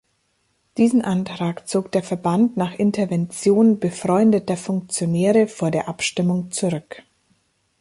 Diesen Antrag zog der Verband nach Intervention „befreundeter Funktionäre“ vor der Abstimmung zurück.